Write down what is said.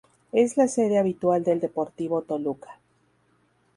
Es la sede habitual del Deportivo Toluca.